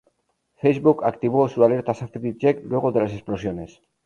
Facebook activó su alerta Safety Check luego de las explosiones.